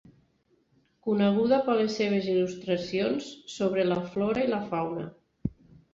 Coneguda per les seves il·lustracions sobre la flora i la fauna.